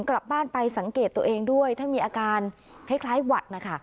กลับบ้านไปสังเกตตัวเองด้วยถ้ามีอาการคล้ายหวัดนะคะ